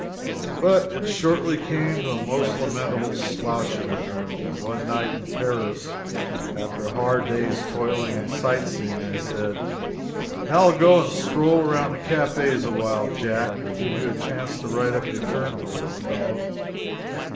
But it shortly became a most lamentable "slouch of a journal." One night in Paris, after a hard day's toil in sightseeing, I said: "Now I'll go and stroll around the cafes awhile, Jack, and give you a chance to write up your journal, old fellow."